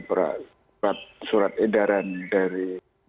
peraturan surat edaran dari dua ribu sembilan belas